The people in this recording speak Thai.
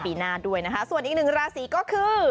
ปีหน้าด้วยนะคะส่วนอีกหนึ่งราศีก็คือ